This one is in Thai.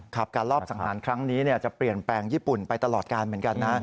การรอบสังหารครั้งนี้จะเปลี่ยนแปลงญี่ปุ่นไปตลอดการเหมือนกันนะ